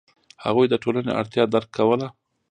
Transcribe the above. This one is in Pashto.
هغوی د ټولنې اړتیا درک کوله.